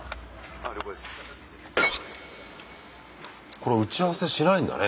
これ打ち合わせしないんだね